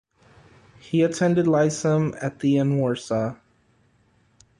He attended lyceum at the in Warsaw.